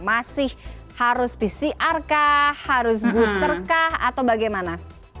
masih harus pcr kah harus booster kah atau bagaimana